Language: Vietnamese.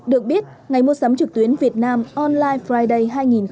được biết ngày mua sắm trực tuyến việt nam online friday hai nghìn hai mươi hai